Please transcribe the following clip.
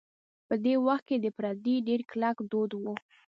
په دې وخت کې د پردې ډېر کلک دود و.